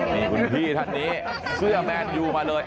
มีคุณพี่ธัรณิเมือแมนอยูมาเลย